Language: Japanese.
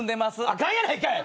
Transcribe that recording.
あかんやないかい！